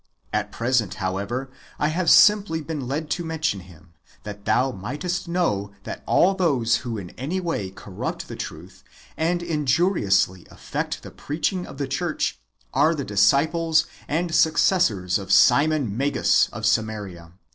At present, however, I have simply been led to mention him, that thou mightest know that all those w^ho in any way corrupt the truth, and injuri ously affect the preaching of the church, are the disciples and successors of Simon Magus of Samaria.